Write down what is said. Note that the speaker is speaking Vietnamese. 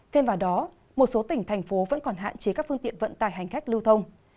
thêm vào đó một số tỉnh thành phố vẫn còn hạn chế các phương tiện vận tải hành khách lưu thông